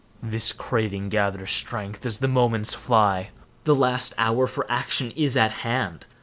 This craving gathers strength as the moments fly. The last hour for action is at hand.